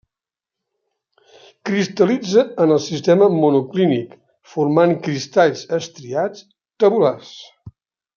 Cristal·litza en el sistema monoclínic, formant cristalls estriats tabulars.